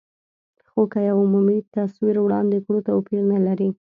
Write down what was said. خو که یو عمومي تصویر وړاندې کړو، توپیر نه لري.